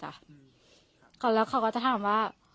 ต่อแล้วเขาก็จะถามรับ